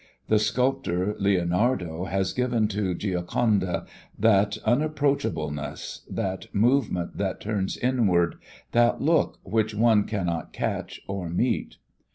The sculptor Leonardo has given to Gioconda that unapproachableness, that movement that turns inward, that look which one cannot catch or meet.